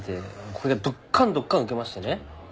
これがどっかんどっかんウケましてね。